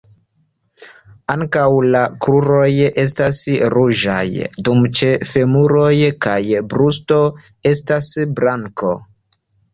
Ankaŭ la kruroj estas ruĝaj, dum ĉe femuroj kaj brusto estas blanko.